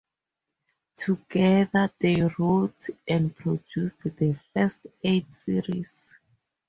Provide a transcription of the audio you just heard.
Together, they wrote and produced the first eight series.